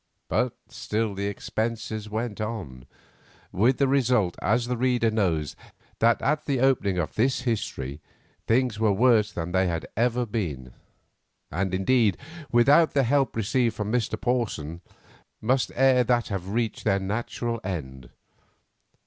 But still the expenses went on, with the result, as the reader knows, that at the opening of this history things were worse than they had ever been, and indeed, without the help received from Mr. Porson, must ere that have reached their natural end.